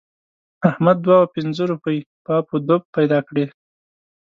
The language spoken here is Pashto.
احمد دوه او پينځه روپۍ په اپ و دوپ پیدا کړې.